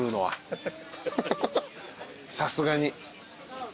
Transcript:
さすがに。